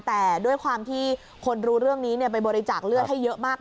แต่ด้วยความที่คนรู้เรื่องนี้ไปบริจาคเลือดให้เยอะมาก